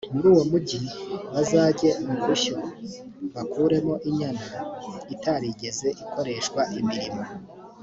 muri uwo mugi bazajye mu bushyo bakuremo inyana itarigeze ikoreshwa imirimo